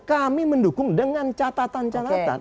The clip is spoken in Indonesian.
kami mendukung dengan catatan catatan